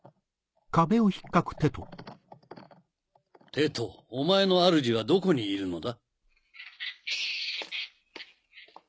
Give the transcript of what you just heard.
テトお前の主はどこにいるのだ？